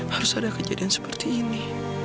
harus ada kejadian seperti ini